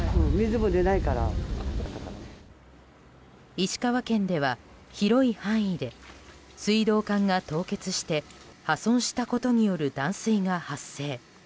石川県では広い範囲で水道管が凍結して破損したことによる断水が発生。